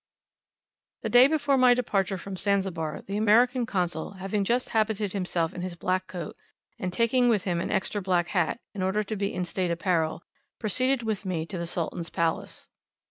The day before my departure from Zanzibar the American Consul, having just habited himself in his black coat, and taking with him an extra black hat, in order to be in state apparel, proceeded with me to the Sultan's palace.